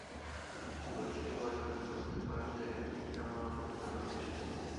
তিনি পরিস্থিতি পর্যবেক্ষণ করে বুঝতে পারেন যে, ইকরামা মল্লযুদ্ধ করতে এসেছে।